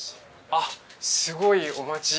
あっすごいお待ちな。